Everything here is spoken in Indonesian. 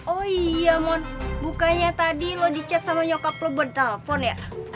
oh iya mon bukannya tadi lo dicat sama nyokap lo buat telfon ya